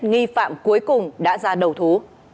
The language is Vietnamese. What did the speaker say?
nghi phạm cuối cùng đã ra đầu thú